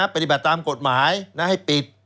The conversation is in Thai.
ปฏิบัติตามกฎหมายให้ปิด